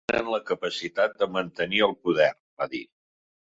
“Tenen la capacitat de mantenir el poder”, va dir.